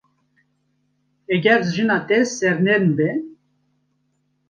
Heger jina te sernerm be.